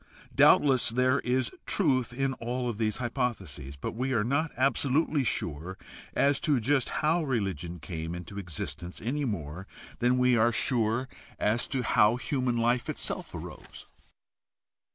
Doubtless there is truth in all of these hypotheses, but we are not absolutely sure as to just how religion came into existence any more than we are sure as to 34 GUIDE TO STUDY OF CHRISTIAN RELIGION how human life itself arose.